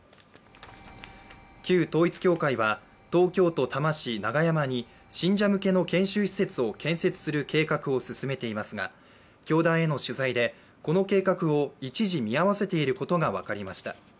旧統一教会は、東京都多摩市永山に信者向けの研修施設を建設する計画を進めていますが教団への取材でこの計画を一時見合わせていることが分かりました。